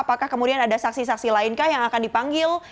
apakah kemudian ada saksi saksi lain kah yang akan dipanggil